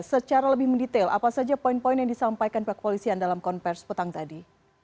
secara lebih mendetail apa saja poin poin yang disampaikan pihak kepolisian dalam konversi petang tadi